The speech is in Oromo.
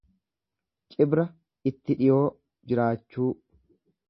Cibra itti dhiyoo jiraachuu.